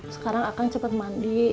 sekarang akan cepet mandi